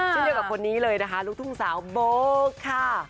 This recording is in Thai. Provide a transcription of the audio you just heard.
เช่นเดียวกับคนนี้เลยนะคะลูกทุ่งสาวโบ๊คค่ะ